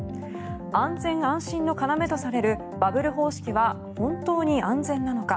安全安心の要とされるバブル方式は本当に安全なのか。